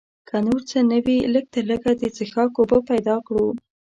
که نور څه نه وي لږ تر لږه د څښاک اوبه پیدا کړو.